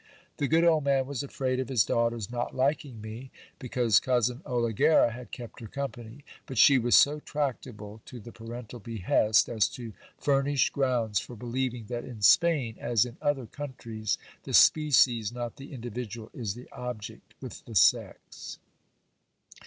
The good old man was afraid of his daughter's not liking me, because cousin Olighera had kept her company ; but she was so tractable to the parental behest, as to furnish grounds for believing that in Spain, as in other countries, the species, not the individual, is the object with the sex.